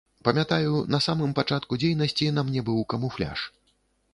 Памятаю, на самым пачатку дзейнасці на мне быў камуфляж.